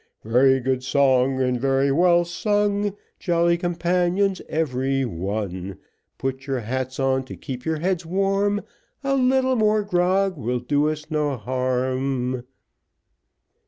Very good song, and very well sung, Jolly companions every one; Put your hats on to keep your heads warm, A little more grog will do us no harm.